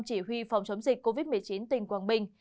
chỉ huy phòng chống dịch covid một mươi chín tỉnh quảng bình